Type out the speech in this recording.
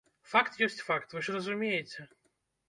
Факт ёсць факт, вы ж разумееце.